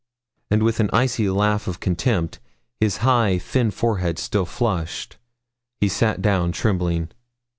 And with an icy laugh of contempt, his high, thin forehead still flushed, he sat down trembling.